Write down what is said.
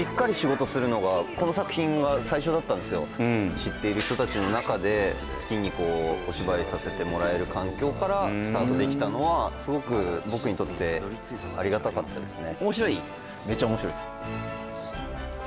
知っている人達の中で好きにお芝居させてもらえる環境からスタートできたのはすごく僕にとってありがたかったですね